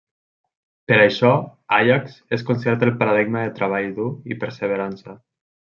Per això, Àiax és considerat el paradigma de treball dur i perseverança.